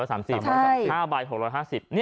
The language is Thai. ๕ใบ๖๕๐บาท